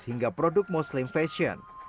hingga produk muslim fashion